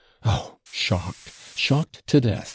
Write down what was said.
'Oh, shocked! shocked to death!